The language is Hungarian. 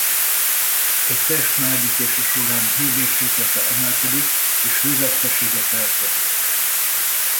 Egy test melegítése során hőmérséklete emelkedik és hővesztesége keletkezik.